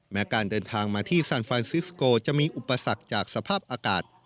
การเดินทางมาที่ซานฟานซิสโกจะมีอุปสรรคจากสภาพอากาศ